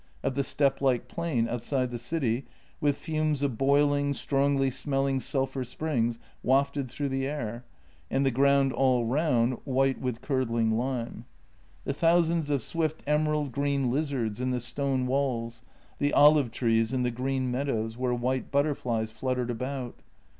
Of the steppe like plain outside the city, with fumes of boiling, strongly smelling sulphur springs wafted through the air, and the ground all round white with curdling lime. The thousands of swift emerald green lizards in the stone walls, the olive trees in the green meadows, where white butterflies fluttered about.